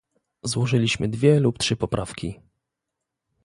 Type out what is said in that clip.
Złożyliśmy dwie lub trzy poprawki